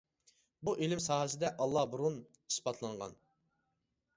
بۇ ئىلىم ساھەسىدە ئاللا بۇرۇن ئىسپاتلانغان.